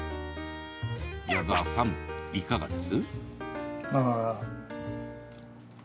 矢澤さん、いかがです？